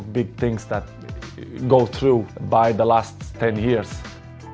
hal besar yang telah dilalui selama sepuluh tahun